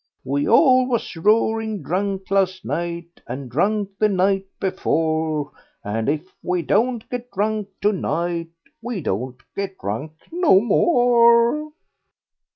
"'We all was roaring drunk last night, And drunk the night before; And if we don't get drunk to night, We won't get drunk no more.'